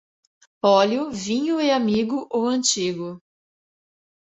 Óleo, vinho e amigo, o antigo.